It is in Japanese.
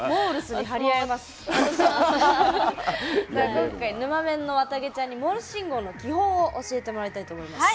今回、ぬまメンのわたげちゃんにモールス信号の基本を教えてもらいたいと思います。